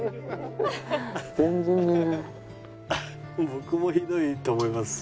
僕もひどいと思います。